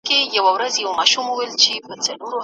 تعلیم توپیر نه پېژني.